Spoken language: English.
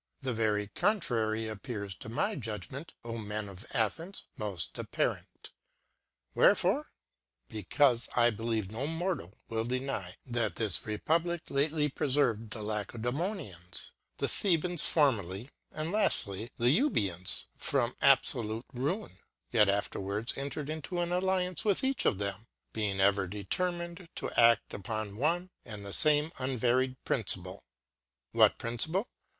The very con trary appears to my Judgement, O Men of Athens, moft ap parent. Wherefore ? Becaufe, I believe no Mortal will deny, that this Republic lately preferved the Lacedremonians ; the Thebans formerly, and laftly the Euboeans from abfolute Ruin, yet afterwards entered into an Alliance with each of them, be ing ever determined to adl: upon one, and the fame unvaried Principle. What Principle?